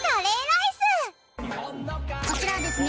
こちらはですね